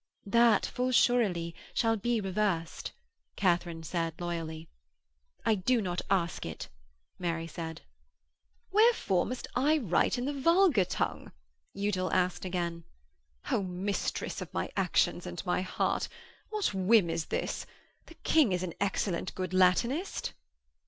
'That, full surely, shall be reversed,' Katharine said loyally. 'I do not ask it,' Mary said. 'Wherefore must I write in the vulgar tongue?' Udal asked again, 'Oh, Mistress of my actions and my heart, what whim is this? The King is an excellent good Latinist!'